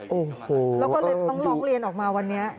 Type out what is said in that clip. อ๋อโห้แล้วต้องลองเรียนออกมาวันนี้